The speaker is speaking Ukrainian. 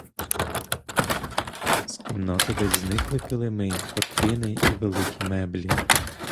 З кімнати десь зникли килими, картини і великі меблі.